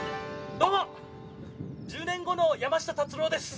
１０年後の山下達郎です。